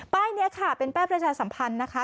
ป้ายเนี่ยค่ะเป็นแป้วประจาสัมพันธ์นะคะ